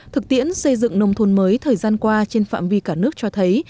thực tiễn xây dựng nông thôn mới thời gian qua trên phạm vi cả nước cho thấy